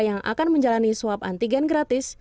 yang akan menjalani swab antigen gratis